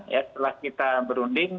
ya setelah kita berunding